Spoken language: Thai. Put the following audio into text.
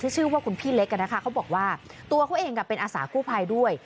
ชื่อว่าคุณพี่เล็กนะคะเขาบอกว่าตัวเขาเองเป็นอาสากู้ภัยด้วย